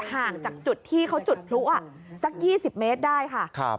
ห่างจากจุดที่เขาจุดพลุสัก๒๐เมตรได้ค่ะ